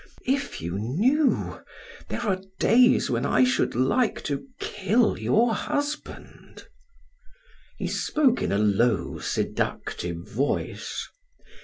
If you knew. There are days when I should like to kill your husband." He spoke in a low, seductive voice.